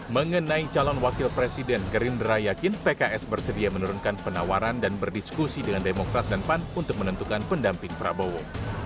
mengenai calon wakil presiden gerindra yakin pks bersedia menurunkan penawaran dan berdiskusi dengan demokrat dan pan untuk menentukan pendamping prabowo